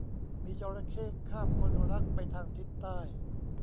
มีจระเข้คาบคนรักไปทางทิศใต้